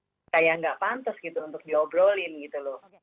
jadi cenderung kayak nggak pantas gitu untuk diobrolin gitu loh